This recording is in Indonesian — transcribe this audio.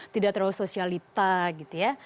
tidak terlalu sosialita gitu ya